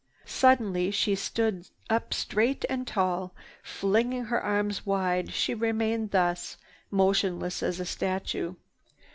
Suddenly she stood up straight and tall. Flinging her arms wide, she remained thus, motionless as a statue.